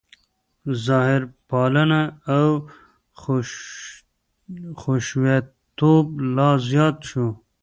ظاهرپالنه او حشویتوب لا زیات شو.